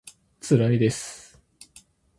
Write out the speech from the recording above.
つらいです